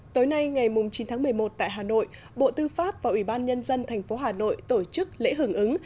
tối nay ngày chín tháng một mươi một tại hà nội bộ tư pháp và ủy ban nhân dân tp hà nội tổ chức lễ hưởng ứng